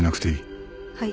はい。